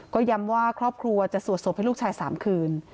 ก็ย้ำว่าครอบครัวจะสวดศพให้ลูกชาย๓คืน